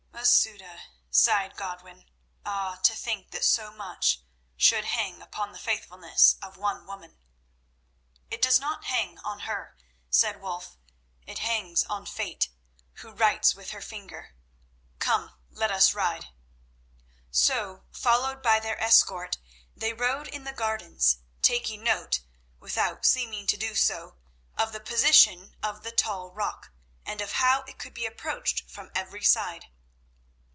"Masouda," sighed Godwin. "Ah! to think that so much should hang upon the faithfulness of one woman." "It does not hang on her," said Wulf; "it hangs on Fate, who writes with her finger. Come, let us ride." So, followed by their escort, they rode in the gardens, taking note, without seeming to do so, of the position of the tall rock, and of how it could be approached from every side.